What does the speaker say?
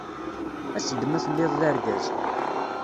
As-d ma telliḍ d argaz.